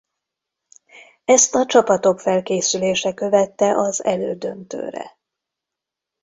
Ezt a csapatok felkészülése követte az elődöntőre.